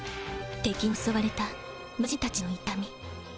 敵に襲われたマジンたちの痛み